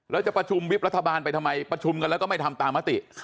แล้วจะประชุมวิบรัฐบาลไปทำไมประชุมกันแล้วก็ไม่ทำตามมติ